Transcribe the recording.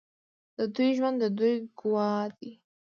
د دوی ژوند د دوی ګواه دی.